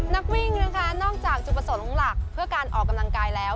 นักวิ่งนะคะนอกจากจุดประสงค์หลักเพื่อการออกกำลังกายแล้ว